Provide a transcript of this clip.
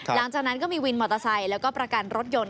หลังจากนั้นก็มีวินมอเตอร์ไซค์แล้วก็ประกันรถยนต์